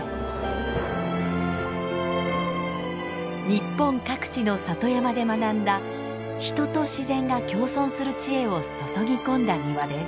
日本各地の里山で学んだ人と自然が共存する知恵を注ぎ込んだ庭です。